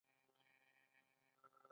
خاموشي ولې حکمت دی؟